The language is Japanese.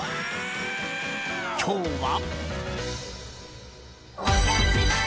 今日は。